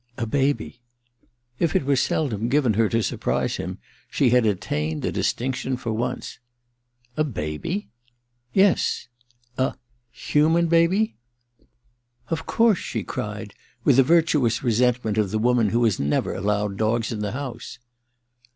< A baby.' If it was seldom given her to surprise him, she had attained the distinction for once. *Ababy?* *Yes.' * A — ^human baby ?'* Of course !' she cried, with the virtuous resentment of the woman who has never allowed dogs in the house.